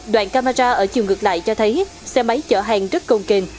đoạn camera ở chiều ngược lại cho thấy xe máy chở hàng rất công kênh